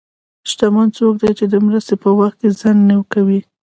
شتمن څوک دی چې د مرستې په وخت کې ځنډ نه کوي.